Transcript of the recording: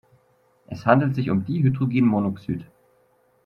Es handelt sich um Dihydrogenmonoxid.